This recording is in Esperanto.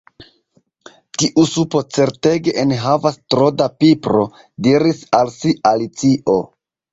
"Tiu supo certege enhavas tro da pipro," diris al si Alicio.